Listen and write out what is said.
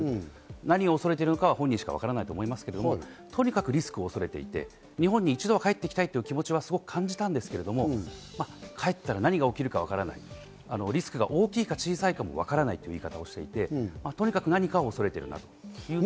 何を恐れているのか本人にしかわからないと思いますけど、とにかくリスクを恐れていて、日本に一度は帰ってきたい気持ちは感じたんですけれども、帰ったら何が起こるかわからない、リスクが大きいか、小さいかもわからないという言い方をしていて、とにかく何かを恐れているんだなと。